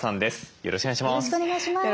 よろしくお願いします。